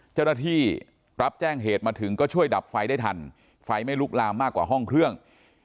เจ้าหน้าที่รับแจ้งเหตุมาถึงก็ช่วยดับไฟได้ทันไฟไม่ลุกลามมากกว่าห้องเครื่อง